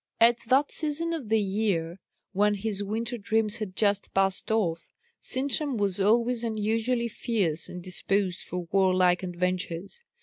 At that season of the year, when his winter dreams had just passed off, Sintram was always unusually fierce and disposed for warlike adventures.